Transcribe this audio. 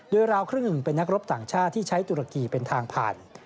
โดยราวครึ่งหนึ่งเป็นนักรบต่างชาติที่ใช้ตุรกีเป็นทางผ่าน